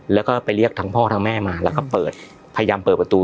แล้วก็ไปเรียกทั้งพ่อทั้งแม่มาแล้วก็เปิดพยายามเปิดประตู